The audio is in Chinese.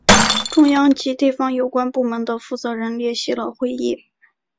中央及地方有关部门的负责人列席了会议。